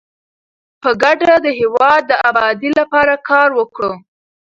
په ګډه د هیواد د ابادۍ لپاره کار وکړو.